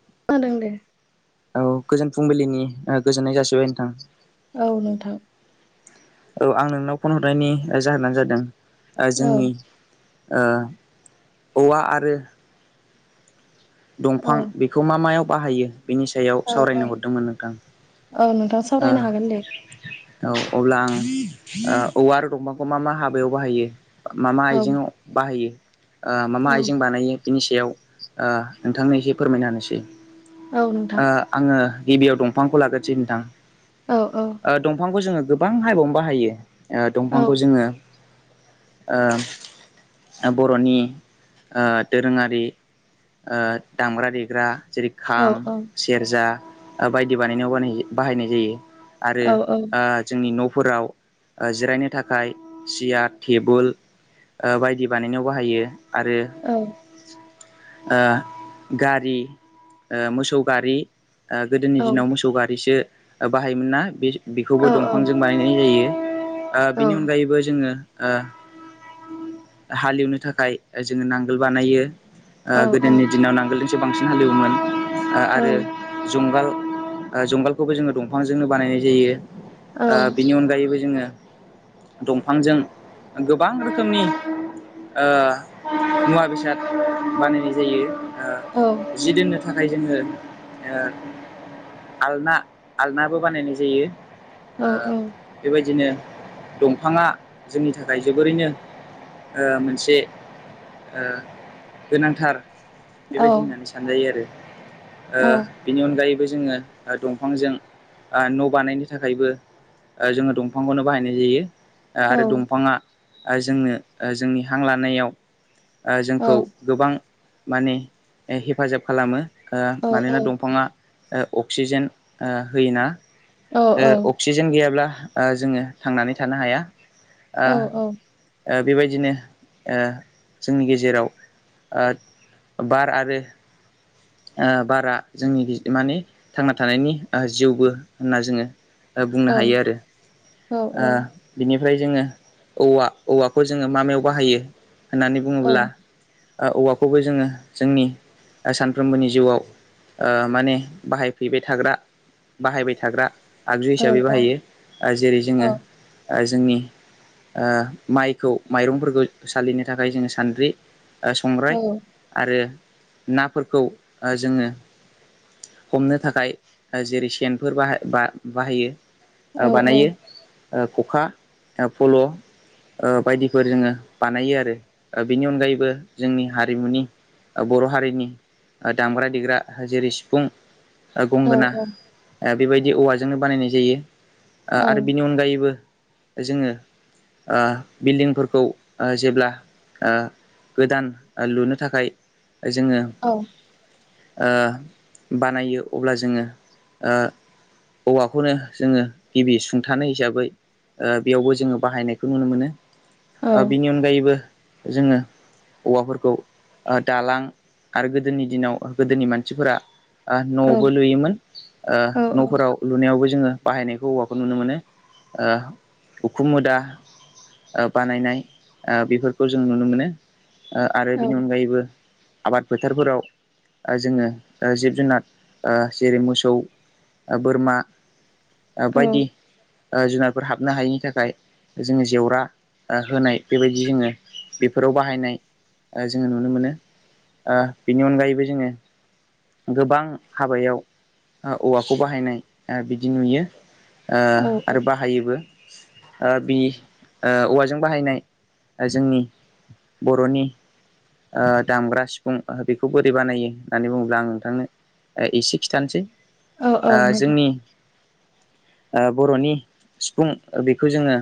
[unintelligible] औ, गोजोन फुंबिलिनि गोजोननाय जासिबाय नोंथां। औ, नोंथां। औ, आं नोंनाव पन हरनायनि जाहोनानो जादों औ जोंनि ओ औवा आरो औ दंफां बेखौ मा मायाव बाहायो? बिनि सायाव औ सावरायनो हरदोंमोन नोंथां। औ नोंथां सावरायनो हागोन दे ओ औ, अब्ला आं ओ औवा आरो दंफाखौ मा मा हाबायाव बाहायो? मा - मा औ आइजेंआव बाहायो? ओ मा- मा औ आइजें बानायो? बिनि सायाव ओ नोंथांनो एसे फोरमायना होनोसै। औ नोंथां ओ आङो गिबियाव दंफांखौ लाग्रोसै नोंथां। औ ओ दंफांखौ जोङो गोबां हाबायावनो बाहायो। ओ औ दंफांखौ जोङो ओ बर'नि ओ दोरोङारि ओ दामग्रा- देग्रा जेरै औ खाम, औ सेरजा बायदि बानायनायाव बानायो-बाहायनाय जायो आरो औ आ जोंनि न' [unintelligible] जिरायनो थाखाय सियात, टेबुल ओ बायदि बानायनायाव बाहायो आरो औ ओ गारि ओ मोसौ गारि ओ गोदोनि औ दिनाव मोसौ गारिसो बाहायोमोनना बे- बेखौबो औ औ औ दंफांजों बानायनाय जायो। ओ बिनि औ अनगायैबो जोङो ओ हालेवनो थाखाय जोङो नांगोल बानायो। ओ औ गोदोनि दिनाव नांगोलजोंसो बांसिन हालेवोमोन ओ आरो औ जुंगाल ओ जुंगालखौबो जोङो दंफांजोंनो बानायनाय जायो। ओ बिनि अनगायैबो जोङो दंफांजों गोबां रोखोमनि ओ मुवा - बेसाद बानायनाय जायो। ओ जि दोननो थाखाय जोङो ओ आलना - आलनाबो बानायनाय जायो। ओ बेबायदिनो दंफाङा जोंनि थाखाय जोबोरैनो ओ मोनसे ओ गोनांथार, बेबायदि होननानै सानजायो आरो। ओ बिनि अनगायैबो जोङो दंफांजों ओ न' बानायनो थाखायबो ओ जोङो दंफांखौनो बाहायनाय जायो। आरो दंफाङा जोंनो जोंनि हां लानायाव जोंखौ गोबां माने हेफाजाब खालामो। ओ मानोना दंफाङा अक्सिजेन होयोना। ओ अक्सिजेन गैयाब्ला जोङो थांनानै थानो हाया। ओ औ-औ। ओ बेबायदिनो ओ जोंनि गेजेराव बार आरोे ओ बारा जोंनि [unintelligible] माने थांना थानायनि जिउबो होनना जोङो बुंनो हायो आरो ओ बेनि ओमफ्राय जोङो औवा- औवाखौ जोङो मा-मायाव बाहायो होननानै बुङोब्ला औवाखौबो जोङो जोंनि सानफ्रोमबोनि जिउआव माने बाहायफैबाय थाग्रा बाहायबाय थाग्रा आगजु हिसाबै बाहायो जेरै जोङो जोंनि माइखौ माइरंफोरखौ सालिनो थाखाय जोङो सान्द्रि संग्राय आरो नाफोरखौ जोङो हमनो थाखाय जेरै सेनफोर बाह बाहायो ओ औ औ बानायो खखा फल' बायदिफोर जोङो बानायो आरो बेनि अनगायैबो जोंनि हारिमुनि बर' हारिनि दामग्रा देग्रा जेरै सिफुं गंगोना बेबायदि औवाजोंनो बानायनाय जायो आरो बिनि अनगायैबो जोङो बिल्डिंफोरखौ जेब्ला ओ गोदान लुनो थाखाय जोङो ओ बानायो अब्ला जोङो औवाखौनो जोङो गिबि सुं हथानो हिसाबै बेयावबो जोङो बाहायनायखौ नुनो मोनो बिनि अनगायैबो जोङो औवाफोरखौ दालां आरो गोदोनि दिनाव गोदोनि मानसिफोरा न'आवबो लुयोमोन न'फोराव लुनायावबो जोङो बाहायनायखौ औवाखौ नुनो मोनो उखुमोदा बानायनाय बेफोरखौ जों नुनो मोनो आरो औ बेनि अनगायैबो आबाद फोथारफोराव जोङो जिब जुनार जेरै मोसौ बोरमा औ औ बायदि जुनारफोर हाबनो हायैनि थाखाय जोङो जेवरा होनाय बेबायदि जोङो बेफोराव बाहायनाय जोङो नुनो मोनो बेनि अनगायैबो जोङो गोबां हाबायाव औवाखौ बाहायनाय बिदि नुयो औ औ आरो बाहायोबो बि औवाजों बाहायनाय जोंनि बर'नि दामग्रा सिफुं बेखौ बोरै बानायो होननानै बुङोब्ला आं नोंथांनो एसे खिथानोसै औ औ नोंथां जोंनि ओ बर'नि सिफुं बेखौ जोङो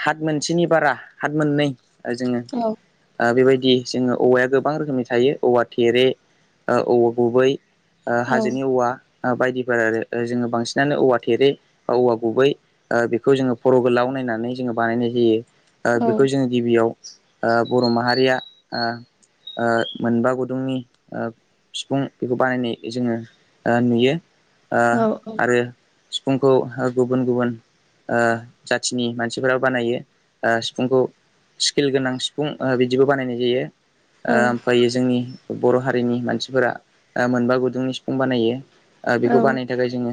हाथ मोनसेनि बारा हात मोननै जोङो औ ओ बेबायदि दि जोङो औवाया गोबां रोखोमनि थायो औवा थेरे औवा गुबै औ हाजोनि औवा बायदिफोर आरो जोङो बांसिनानो औवा थेरे बा औवा गुबै बेखौ जोङो खर' गोलाव नायनानै जोङो बानायनाय जायो औ बेखौ जोङो गिबियाव ए बर' माहारिया ए मोनबा गुदुंनि बिफुं बेखौ बानायनाय जोङो नुयो ओ औ औ आरो सिफुंखौ हा गुबुन गुबुन। जाथिनि मानसिफोराव बानायो सिफुंखौ। स्किल गोनां सिफुं बिदिबो बानायनाय जायो। ओमफ्र जोंनि बर' हारिनि मानसिफोरा मोनबा गुदुंनि सिफुं बानायो। औ बेखौ बानायनो थाखाय जोङो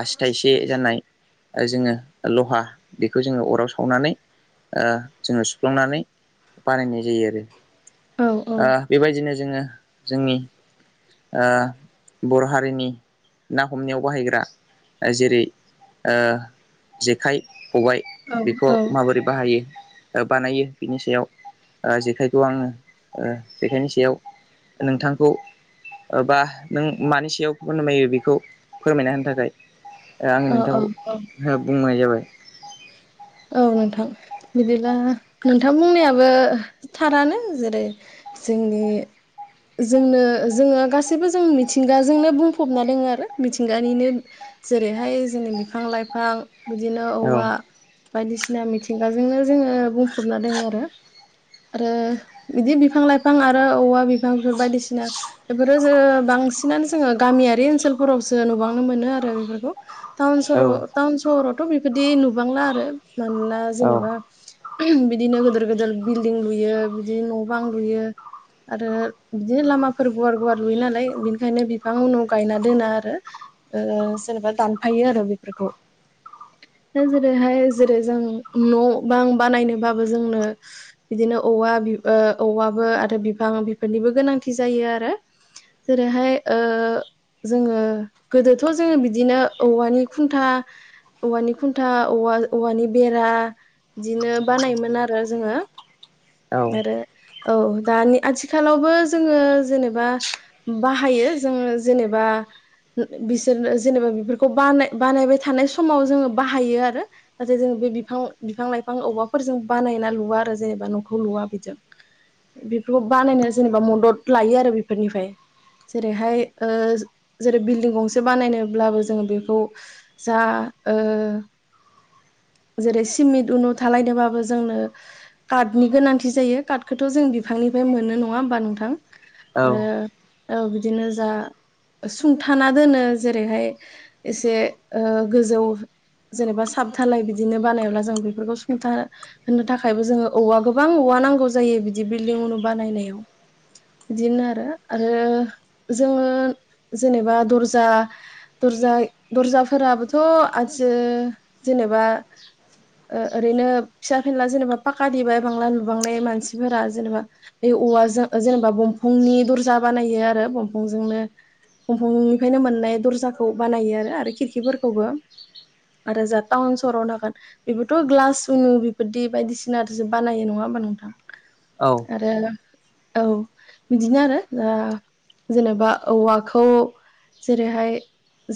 आसि थाइसे ज जनाय जोङो लहा बेखौ जोङो अराव सावनानै। जोङो सुफ्लांनानै बानायनाय जायो आरो। ओ बेबायदिनो जोङो। जोंनि ओ बर' हारिनि ना। हमनायाव बाहायग्रा जेरै। जेखाइ खबबाय बेखौ माबोरै बाहायो। बानायो बिनि सायाव ओ जेखाइखौ आङो ओ जेखाइनि सायाव। नोंथांखौ बा नों मानि सायावफोरमायो बेखौ। फोरमायना होनो थाखाय ओ आं औ औ नोंथांखौ बुंनाय जाबाय। औ। नोंथां बिदिब्ला नोंथां बुंनायाबो थारानो जेरै जोंनि। बे। जोंनो जोङो गासैबो जों मिथिंगाजोंनो बुंफबना दोङो आरो मिथिंगानिनो- जेरैहाय जोंनि बिफां लाइफां बिदिनो औ औवा। बायदिसिना मिथिंगाजोंनो जोङो बुंफबना दङ आरो। आरो बिदि बिफां लाइफां आरो औवा बिफांफोर बायदिसिना बेफोरो जो बांसिनानो जोङो गामियारि ओनसोलफोरावसो नुबांनो मोनो आरो बेफोरखौ टाउन औ सहराव। फोरावथ' बिबादि नुबांला आरो। मानोना औ जेनेबा बिदिनो गिदोर गिदोर बिल्डिं लुयो बिदि न' बां लुयो। [inaudible] [inaudible] आरो बिदिनो लामाफोर गुवार गुवार लुयो नालाय बिनिखायनो बिफां उनाव गायना दोनो आरो। जेनेबा दानफायो आरो बेफोरखौ दा जेरैहाय। जेरै जों न' बां बानायनोबाबो जोंनो बिदिनो औवा ओ औवा। आरो बिफां बेफोरनिबो गोनांथि जायो आरो जेरैहाय ओ। जोङो गोदोथ' जोङो बिदिनो औवानि खुन्था। औवानि खुन्था औवा। औवानि बेरा बिदिनो बानायोमोन आरो जोङो। औ आरो औ दानि आथिखालावबो जोङो जेनेबा बाहायो। जोङो जेनेबा। बिसोरनो जेनेबा बेफोरखौ बानाय बानायबाय थानाय समाव जोङो बाहायो आरो नाथाय जों। बे बिफां बिफां लाइफां औवाफोरजों बानायना लुवा आरो जेनेबा न'खौ लुवा बेजों। बेफोरखौ बानायनाय जेनेबा मदद लायो आरो बेफोरनिफ्राय। जेरैहाय ओ जेरै बिल्डिं गंसे बानायनोब्लाबो जोङो बेखौ जा- ओ। जेरै सिमेन्ट उनु थालायदोंबाबो जोंनो कार्त। काटनि गोनांथि जायो कारटखौथ' जों बिफांनिफ्राय मोननो नङा होमबा नोंथां आरो। बिदिनो जा। सुंथाना दोनो जेरैहाय एसे गोजौ। जेनेबा सातधालाय बिदिनो बानायोब्ला जों बेफोरखौ सुंथा होनो थाखायबो जोङो। औवा गोबां औवा नांगौ जायो बिदि बिल्डिंनि बानायनायाव। बिदिनो आरो आरो जोङो जेनेबा दर्जा। दरजा दर्जाफोराबोथ' आथि जेनेबा। ओरैनो फिसा फेला जेनेबा पा देबाय बांला लुुबांनाय मानसिफोरा जेनेबा बे औवाजों जेनेबा बंफांनि दरजा बा नायो आरो दंफांजोंनो। दंफांनिफ्रायनो मोननाय दर्जाखौ बानायो आरो आरो खिरखिफोरखौबो आरो जाहा टाउन सहराव नागोन बेबोथ' ग्लास बायदि बायदिसिना सिनाथ'सो बानायो नङा होमबा नोंथां औ आरो औ बिदिनो आरो दा जेनेबा औवाखौ जेरैहाय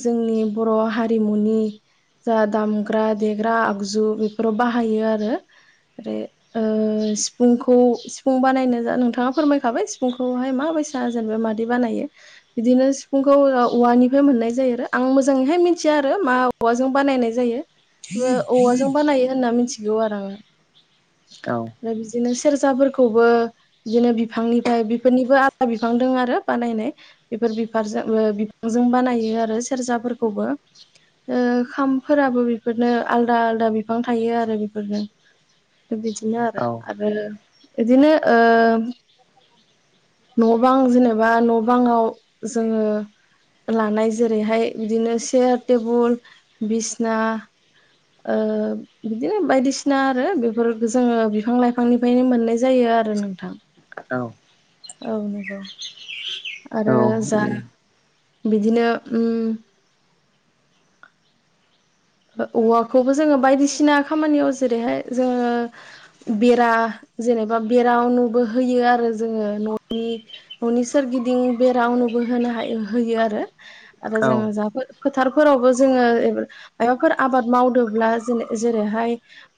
जोंनि बर' हारिमुनि जा दामग्रा देग्रा आगजु बेफोराव बाहायो आरो! आरो ओ सिफुंखौ सिफुं बानायनो नोंथाङा फोरमायखाबाय सिफुंखौहाय माबायसा जेनेबा मादै बानायो बिदिनो सिफुंखौ औवानिफ्राय मोननाय जायो आरो आं मोजाङैहाय मिथिया आरो मा औवाजों बानायनाय जायो! ! ओ औवाजों बानायो होनना मिथिगौ आरो आङो आरो बिदिनो सेरजाफोरखौबो बिदिनो बिफांनिफ्राय बेफोरनिबो आलादा बिफां दं आरो बानायनाय बे बिफोर बिफारजो ओ बिफांजों बानायो आरो सेरजाफोरखौबो ओ खामफोराबो बेफोरनो आलदा आलदा बिफां थायो आरो बेफोरनो बिदिनो आरो, औ आरो इदिनो ओ न' बां जेनेबा न' बाङाव जोङो लानाय जेरैहाय बिदिनो चेयार टेबुल बिसना ओ बिदिनो बायदिसिना आरो बेफोर जोङो बिफां लाइफांनिफ्रायनो मोननाय जायो आरो नोंथां। औ औ नंगौ आरो जा [inaudible] बिदिनो ओम [inaudible] ओ औवाखौबो जोङो बायदिसिना खामानियाव जेरैहाय जोङो बेरा जेनेबा बेरावबो होयो आरो जोङो न'नि न'नि सोरगिदिं बेराावबो होनो हायो होयो आरो आरो जोंङो जा फोथारफोरावबो जोङो मायाबाफोर आबाद मावदोंब्ला जेरैहाय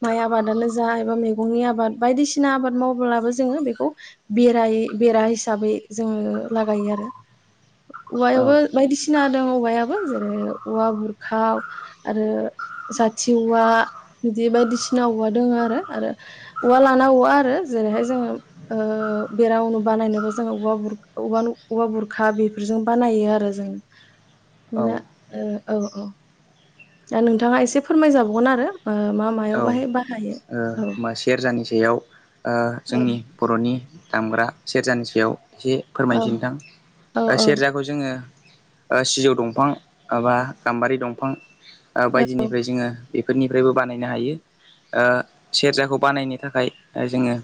माइ आबादानो जा एबा मैगंनि आबाद बायदि बायदिसिना आबाद मावब्लाबो जोङो बेखौ बेरायै बेरा हिसाबै जोङो लागायो आरो। औ औवायाबो बायदिसिना दं औवायाबो जेरै औवा बुरखाव आरो जाथि औवा बिदि बायदिसिना औवा दङ आरो आरो औवा लान ना आरो जेरैहाय जों ओ बेरानो बानायनोबो जोङो औवा बुर- औवा बुर खा बेफोरजों बानायो आरो जोङो। ओ औ औ औ दा नोंथाङा एसे फोरमायजाबावगोन आरो। ओ मा मायाव औ, बाहाय बाहायो औ ओ सेरजानि सायाव ओ औ जोंनि बर'नि दामग्रा सेरजानि सायाव एसे औ फोरमायनोसै नोंथां। औ सेरजाखौ जोङो ओ सिजौ दंफां माबा गाम्बारि दंफां बायदिनिफ्राय जोङो बेफोरनिफ्रायबो बानायनो हायो। ओ सेरजाखौ बानायनो थाखाय जोङो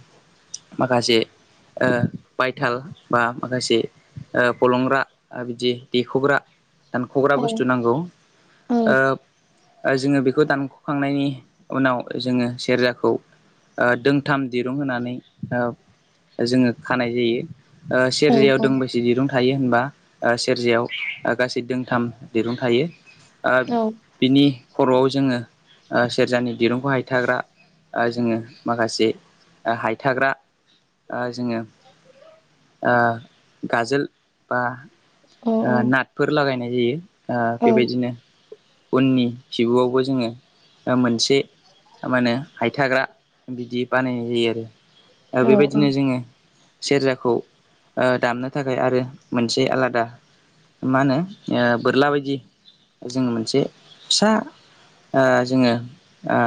माखासे ओ बायथाल बा माखासे ओ फलंग्रा ओ बिदि देखग्रा दानख'ग्रा औ बुस्थु नांगौ औ ओ ओ जोङो बेखौ दानख'खांनायनि उनाव जोङो सेरजाखौ ओ दोंथाम दिरुं होनानै ओ जोङो खानाय जायो। ओ औ सेरजायाव औ दोंबसे दिरुं थायो होनबा ओ सेरजायाव गासै दोंथाम दिरुं थायो। आ बिनि खर'आव जोङो आ सेरजानि दिरुंखौ हायथाग्रा ओ जोङो माखासे ओ हायथाग्रा ओ जोङो ओ गाजोल बा ओ नाथफोर लागायनाय जायो। ओ औ बेबायदिनो उननि खिबुआवबो जोङो ओ मोनसे ओ मा होनो हायथाग्रा बिदि बानायनाय जायो आरो। ओ बेबायदिनो जोङो सेरजाखौ ओ दामनो थाखाय आरो मोनसे आलादा मा होनो ओ बोरला बायदि जोङो मोनसे फिसा ओ जोङो ओ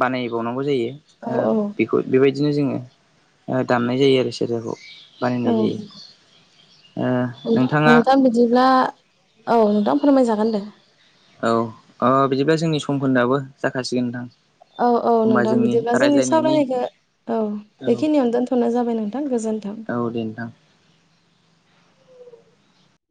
बानायबावनांगौ जायो। ओ औ बेखौ बेबायदि दिनो जोङो दामनाय जायो आरो सेरजाखौ। औ बानायनाय जायो ओ [inaudible] नोंथाङा नोंथां बिदिब्ला औ नोंथां फोरमायजागोन दे। औ अ बिदिब्ला जोंनि सम खोन्दोआबो जाखासिगोन नोंथां। औ औ होमबा नोंथां बिदिब्ला जोंनि रायज्लायनायनि सावरानायखो औ औ बेखिनियावनो दोनथ'नाय जाबाय नोंथां गोजोन्थों। [unintelligible]